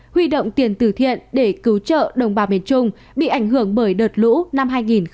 huy động tiền tử thiện để cứu trợ đồng bào miền trung bị ảnh hưởng bởi đợt lũ năm hai nghìn một mươi tám